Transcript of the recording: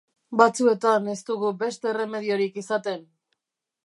Batzuetan ez dugu beste erremediorik izaten!